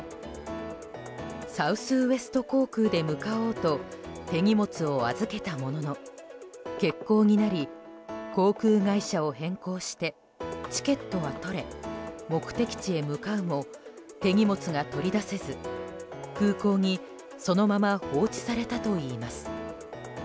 サウスウエスト航空で向かおうと手荷物を預けたものの欠航になり航空会社を変更してチケットが取れ目的地へ向かうも手荷物が取り出せず空港にそのまま放置されたといいます。